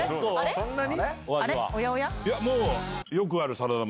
そんなに？